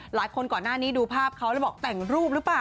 ก่อนหน้านี้ดูภาพเขาแล้วบอกแต่งรูปหรือเปล่า